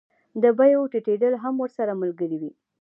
د بیو ټیټېدل هم ورسره ملګري وي